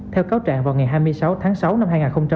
theo cáo trạng vào ngày hai mươi sáu tháng sáu năm hai nghìn hai mươi